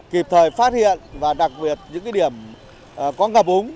kịp thời phát hiện và đặc biệt những cái điểm có gặp úng